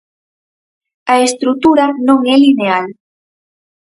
A estrutura non é lineal.